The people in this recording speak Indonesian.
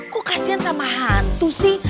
kok kasian sama hantu sih